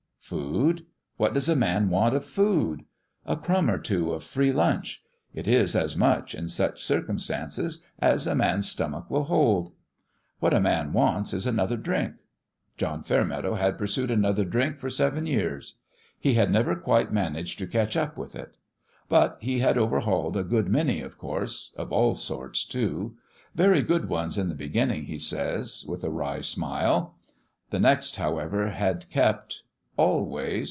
Food? What does a man want of food ? A crumb or two of free lunch : it is as much, in such cir cumstances, as a man's stomach will hold. What 158 THEOLOGICAL TRAINING a man wants is another drink. John Fair meadow had pursued another drink for seven years. He had never quite managed to catch up with it. But he had overhauled a good many, of course of all sorts, too : very good ones in the beginning, he says, with a wry smile. The next, however, had kept ... always